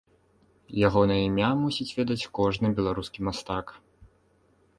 Ягонае імя мусіць ведаць кожны беларускі мастак.